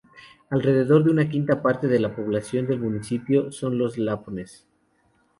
Alrededor de una quinta parte de la población del municipio son lapones.